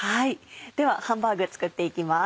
ではハンバーグ作っていきます。